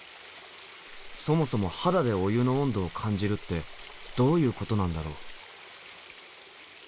そもそも肌でお湯の温度を感じるってどういうことなんだろう？